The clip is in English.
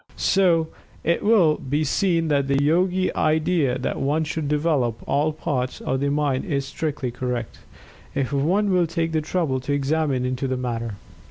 So it will be seen that the Yogi idea that one should develop all parts of the Mind is strictly correct, if one will take the trouble to examine into the matter.